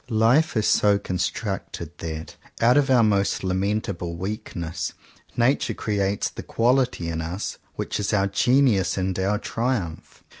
Life is so constructed, that, out of our most lamentable weakness. Nature creates the quality in us which is our genius and our triumph.